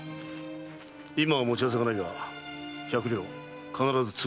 今は持ち合わせがないが百両必ず都合しよう。